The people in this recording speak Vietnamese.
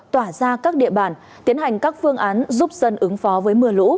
tỏa ra các địa bàn tiến hành các phương án giúp dân ứng phó với mưa lũ